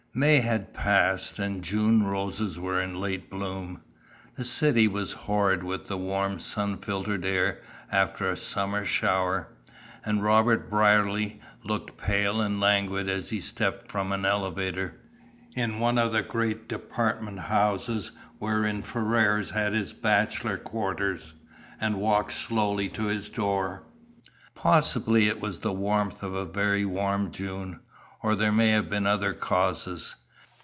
May had passed, and June roses were in late bloom. The city was horrid with the warm sun filtered air after a summer shower, and Robert Brierly looked pale and languid as he stepped from an elevator, in one of the great department houses wherein Ferrars had his bachelor quarters, and walked slowly to his door. Possibly it was the warmth of a very warm June, or there may have been other causes.